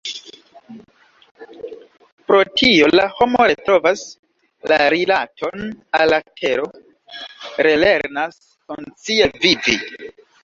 Pro tio la homo retrovas la rilaton al la tero, relernas konscie vivi.